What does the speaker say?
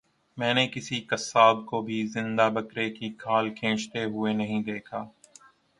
میں نے کسی قصاب کو بھی زندہ بکرے کی کھال کھینچتے ہوئے نہیں دیکھا